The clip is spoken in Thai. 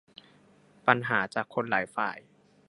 ปัญหาจากคนหลายฝ่าย